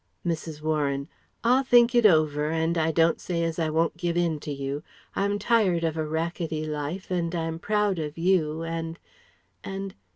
Mrs. Warren: "I'll think it over and I don't say as I won't give in to you. I'm tired of a rackety life and I'm proud of you and ... and